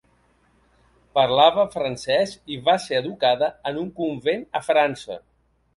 Parlava francès i va ser educada en un convent a França.